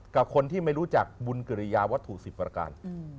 กับคนที่ไม่รู้จักบุญกิริยาวัตถุ๑๐ประการ